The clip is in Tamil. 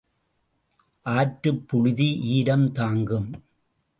ஆற்றப் புழுதி ஈரம் தாங்கும்.